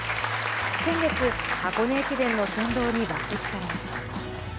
先月、箱根駅伝の先導に抜てきされました。